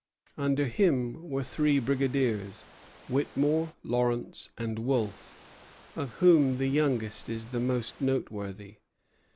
Under him were three brigadiers, Whitmore, Lawrence, and Wolfe, of whom the youngest is the most noteworthy.